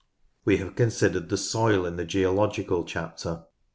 We have considered the soil in the geological chapter.